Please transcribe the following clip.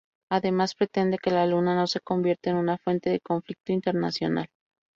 Además, pretende que la Luna no se convierta en una fuente de conflicto internacional.